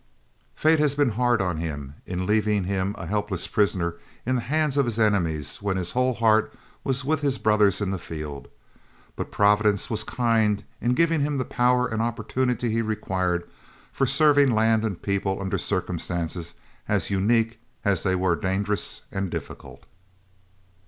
Fate had been hard on him in leaving him a helpless prisoner in the hands of his enemies when his whole heart was with his brothers in the field, but Providence was kind in giving him the power and opportunity he required for serving land and people under circumstances as unique as they were dangerous and difficult.